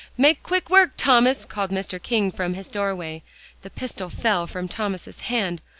"Make quick work, Thomas," called Mr. King from his doorway. The pistol fell from Thomas's hand.